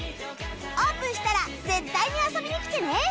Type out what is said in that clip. オープンしたら絶対に遊びに来てね